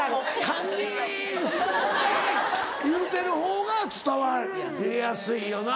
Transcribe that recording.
言うてる方が伝わりやすいよな。